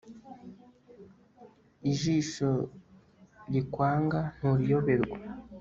ijisho rikwanga nturiyoberwa